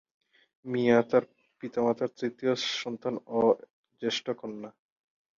মিয়া তার পিতামাতার তৃতীয় সন্তান ও জ্যেষ্ঠ কন্যা।